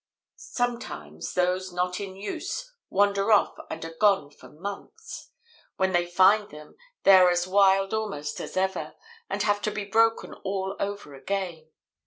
Sometimes those not in use wander off and are gone for months. When they find them they are as wild almost as ever, and have to be broken all over again.